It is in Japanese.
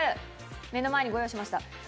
目の前にご用意しました。